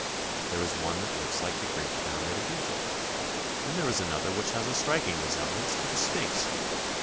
There is one that looks like the Great Pyramid of Egypt, and there is an other which has a striking resemblance to the Sphinx.